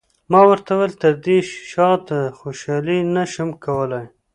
ما ورته وویل: تر دې زیاته خوشحالي نه شم کولای.